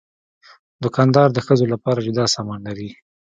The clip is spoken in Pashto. دوکاندار د ښځو لپاره جدا سامان لري.